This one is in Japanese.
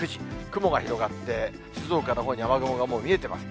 雲が広がって、静岡のほうに雨雲がもう見えてます。